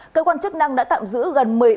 cơ quan chức năng đã tạm giữ gần một mươi phút